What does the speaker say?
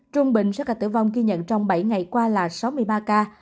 trung bình số ca tử vong ghi nhận trong bảy ngày qua là sáu mươi ba ca